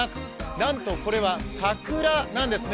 なんと、これは桜なんですね。